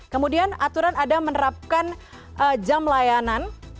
kemudian aturan ada menerapkan jam layanan